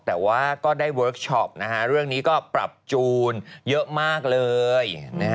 แต่ว่าก็ได้เวิร์คชอปนะฮะเรื่องนี้ก็ปรับจูนเยอะมากเลย